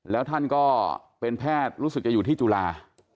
แล้วท่านก็เป็นแพทย์รู้สึกจะอยู่ที่จุฬา